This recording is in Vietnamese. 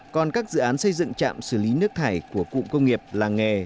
còn các dự án xây dựng trạm xử lý nước thải của cụm công nghiệp làng nghề